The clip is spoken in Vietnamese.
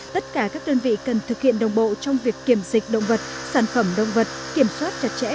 tất cả các đơn vị cần thực hiện đồng bộ trong việc kiểm dịch động vật sản phẩm động vật kiểm soát chặt chẽ